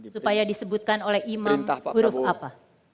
supaya disebutkan oleh imam huruf apa